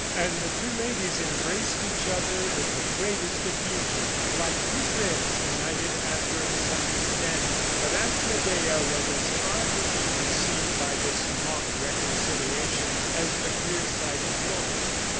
And the two ladies embraced each other with the greatest effusion, like two friends united after a misunderstanding. But Aunt Medea was as far from being deceived by this mock reconciliation as the clearsighted Blanche.